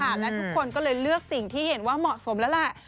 และทุกคนก็เลยเลือกสิ่งที่เห็นว่าเหมาะสมแล้วแหละ